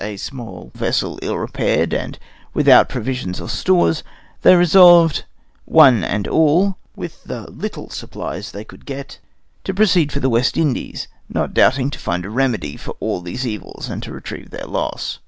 a small vessel ill repaired, and without provisions or stores, they resolved, one and all, with the little supplies they could get, to proceed for the West Indies, not doubting to find a remedy for all these evils and to retrieve their loss.